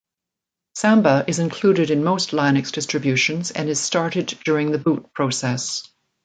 Samba is included in most Linux distributions and is started during the boot process.